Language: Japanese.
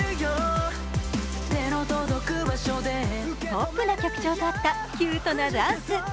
ポップな曲調と合ったキュートなダンス。